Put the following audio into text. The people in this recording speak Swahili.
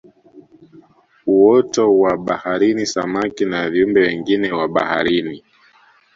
Uoto wa baharini samaki na viumbe wengine wa baharini